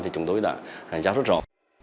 thì chúng tôi đã giáo rất rõ